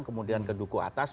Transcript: kemudian ke duku atas